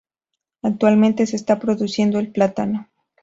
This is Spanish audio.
Actualmente se está produciendo el plátano.